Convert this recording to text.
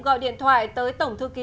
gọi điện thoại tới tổng thư ký